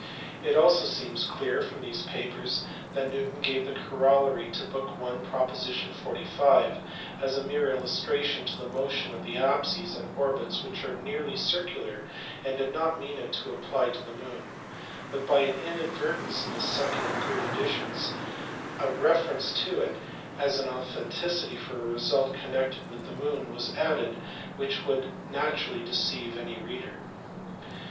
It also seems clear from these papers that Newton gave the corollary to book i. prop. 45 as a mere illustration of the motion of the apses in orbits which are nearly circular and did not mean it to apply to the moon, but by an inadvertence in the .second and third editions a reference to it as an authority for a result connected with the moon was added which would naturally deceive any reader.